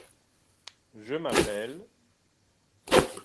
Je m'appelle…